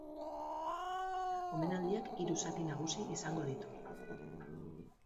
Omenaldiak hiru zati nagusi izango ditu.